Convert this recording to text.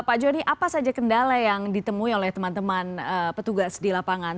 pak joni apa saja kendala yang ditemui oleh teman teman petugas di lapangan